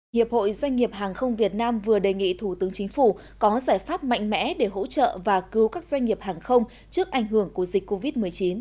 hiệp hội doanh nghiệp hàng không việt nam vừa đề nghị thủ tướng chính phủ có giải pháp mạnh mẽ để hỗ trợ và cứu các doanh nghiệp hàng không trước ảnh hưởng của dịch covid một mươi chín